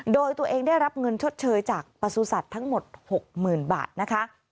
โดยตัวเองได้รับเงินชดเชยจากประสุทธิ์ทั้งหมด๖๐๐๐บาทนะคะ